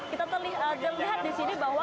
kita lihat di sini bahwa